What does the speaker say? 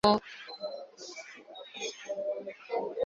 Ntabwo dufite urubura rwinshi hano no mu gihe cy'itumba.